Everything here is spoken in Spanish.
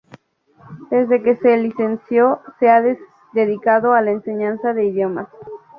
Desde que se licenció se ha dedicado a la enseñanza de idiomas.